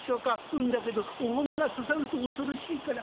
『うんだけどお骨が刺さると恐ろしいから』。